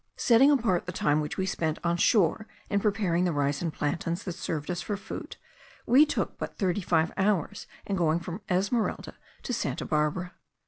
Setting apart the time which we spent on the shore in preparing the rice and plantains that served us for food, we took but thirty five hours in going from Esmeralda to Santa Barbara.